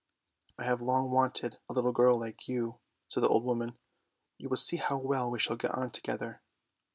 " I have long wanted a little girl like you !" said the old woman. " You will see how well we shall get on together."